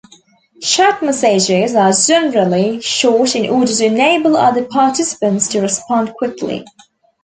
Chat messages are generally short in order to enable other participants to respond quickly.